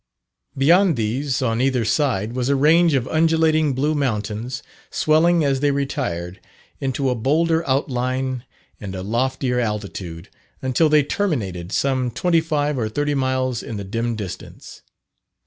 Beyond these, on either side, was a range of undulating blue mountains, swelling as they retired, into a bolder outline and a loftier altitude, until they terminated some twenty five or thirty miles in the dim distance.